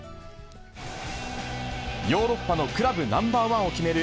ヨーロッパのクラブナンバーワンを決める